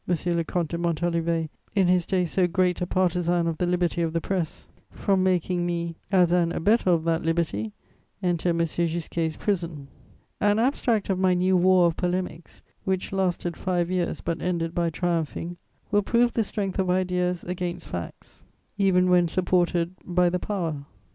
le Comte de Montalivet, in his day so great a partisan of the liberty of the press, from making me, as an abettor of that liberty, enter M. Gisquet's prison. An abstract of my new war of polemics, which lasted five years but ended by triumphing, will prove the strength of ideas against facts even when supported by the power.